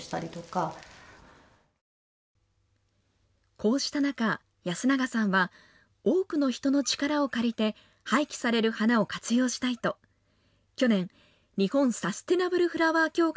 こうした中、安永さんは多くの人の力を借りて廃棄される花を活用したいと去年、日本サスティナブルフラワー協会